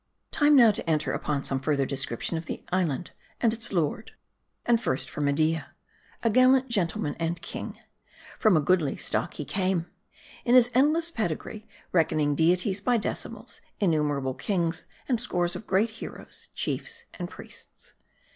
TIME now to enter upon some further description of the island and its lord. And first for Media : a gallant gentleman and king. From a goodly stock he came. In his endless pedigree, reckoning deities by decimals, innumerable kings, and scores of great heroes, chiefs, and priests.